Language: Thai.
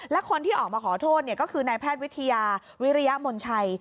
และคนที่ออกมาขอโทษก็คือนายแพทย์วิทยาวิริยมนชัย